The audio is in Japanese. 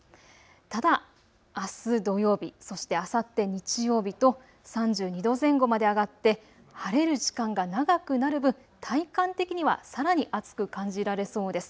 ただ、あす土曜日そして、あさって日曜日と３２度前後まで上がって晴れる時間が長くなる分、体感的にはさらに暑く感じられそうです。